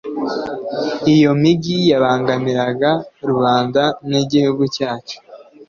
iyo migi yabangamiraga rubanda n'igihugu cyacu